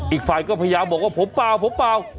อีกฝ่ายก็พยายามบอกว่าผมเปล่า